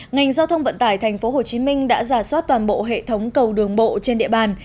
ngành giao thông vận tải thành phố hồ chí minh đã giả soát toàn bộ hệ thống cầu đường bộ trên địa bàn